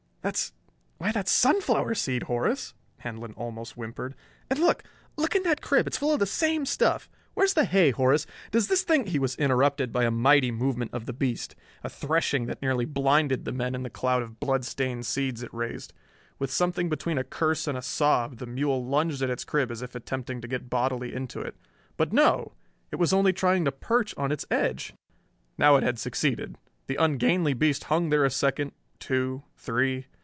"That's why that's sunflower seed, Horace!" Handlon almost whimpered. "And look! Look in that crib! It's full of the same stuff! Where's the hay, Horace? Does this thing " He was interrupted by a mighty movement of the beast a threshing that nearly blinded the men in the cloud of bloodstained seeds it raised. With something between a curse and a sob, the mule lunged at its crib as if attempting to get bodily into it. But no: it was only trying to perch on its edge! Now it had succeeded. The ungainly beast hung there a second, two, three.